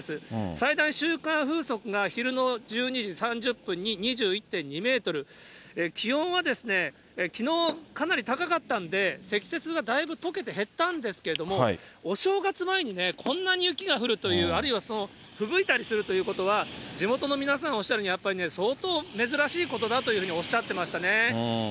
最大瞬間風速が昼の１２時３０分に２１．２メートル、気温は、きのう、かなり高かったんで、積雪がだいぶとけて減ったんですけれども、お正月前にこんなに雪が降るという、あるいはその、ふぶいたりするということは、地元の皆さんおっしゃるには、やっぱりね、相当珍しいことだというふうにおっしゃってましたね。